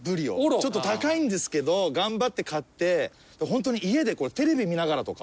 ちょっと高いんですけど頑張って買ってホントに家でこれテレビ見ながらとか。